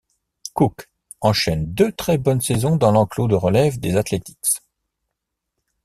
Cook enchaîne deux très bonnes saisons dans l'enclos de relève des Athletics.